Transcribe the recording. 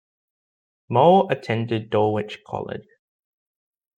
Mole attended Dulwich College.